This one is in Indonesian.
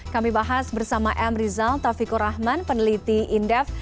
kami bahas bersama m rizal taufikur rahman peneliti indef